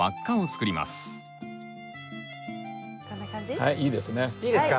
はいいいですね。